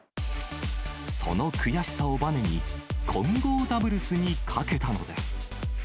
その悔しさをばねに、混合ダブルスにかけたのです。